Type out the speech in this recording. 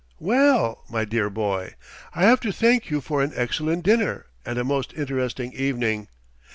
"Well, my dear boy! I have to thank you for an excellent dinner and a most interesting evening.